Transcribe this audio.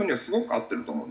合ってると思う。